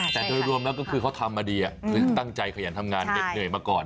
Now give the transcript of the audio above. แต่โดยรวมแล้วก็คือเขาทำมาดีตั้งใจขยันทำงานเหน็ดเหนื่อยมาก่อน